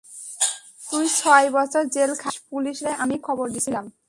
তুই ছয় বছর জেল খাটছিস, পুলিশরে আমি খবর দিছিলাম।